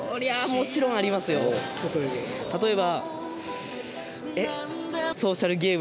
例えば。